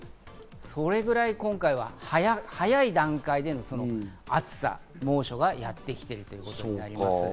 それぐらい今回は早い段階で暑さ、猛暑がやってきているということになります。